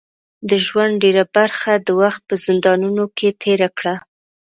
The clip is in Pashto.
د ژوند ډیره برخه د وخت په زندانونو کې تېره کړه.